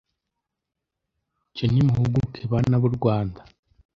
cyo nimuhuguke bana b’Urwanda